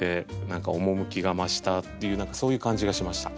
何か趣が増したっていう何かそういう感じがしました。